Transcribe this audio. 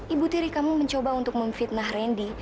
ibu tiri kamu mencoba untuk memfitnah randy